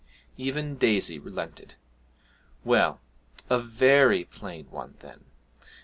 Even Daisy relented: 'Well a very plain one, then.